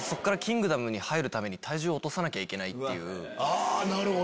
あなるほど。